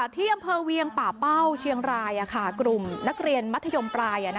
ที่อำเภอเวียงป่าเป้าเชียงรายกลุ่มนักเรียนมัธยมปลาย